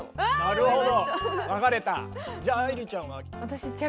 なるほど。